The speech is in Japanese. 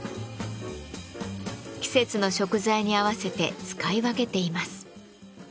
季節の食材に合わせて使い分けています。